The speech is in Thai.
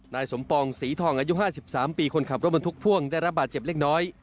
นายสมปองศรีทองอายุ๕๓ปีคนขับรถบรรทุกพ่วงได้รับบาดเจ็บเล็กน้อย